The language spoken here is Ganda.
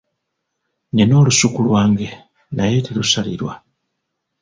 Nnina olusuku lwange naye terusalirwa.